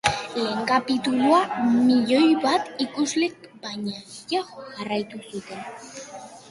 Lehen kapitulua milioi bat ikuslek baino gehiagok jarraitu zuten.